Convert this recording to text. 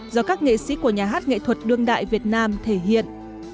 do các nghệ sĩ của nhà hát nghệ thuật đương đại việt nam thể hiện